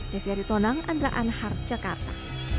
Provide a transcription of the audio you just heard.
desyari tonang andra anhar jakarta